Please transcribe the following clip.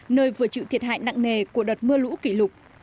nơi vừa chịu thiệt hại nặng nề của đợt mưa lũ kỷ lục